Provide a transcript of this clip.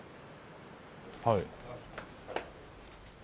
はい。